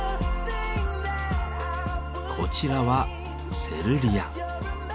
こちらは「セルリア」。